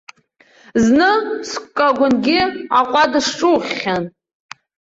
Зны скагәангьы аҟәада сҿуххьан.